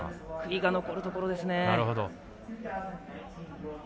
悔いが残るところですね。